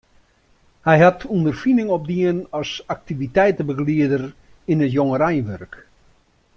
Hy hat ûnderfining opdien as aktiviteitebegelieder yn it jongereinwurk.